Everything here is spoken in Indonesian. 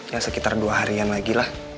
ya sekitar dua harian lagi lah